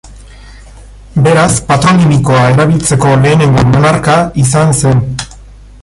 Beraz patronimikoa erabiltzeko lehenengo monarka izan zen.